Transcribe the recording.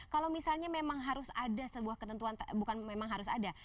kalau misalnya memang harus ada sebuah ketentuan bukan memang harus ada